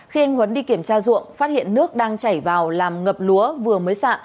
khi anh huấn đi kiểm tra ruộng phát hiện nước đang chảy vào làm ngập lúa vừa mới sạ